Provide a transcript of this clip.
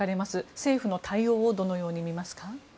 政府の対応をどのように見ますか？